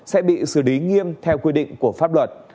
sẽ bị xử lý nghiêm theo quy định của pháp luật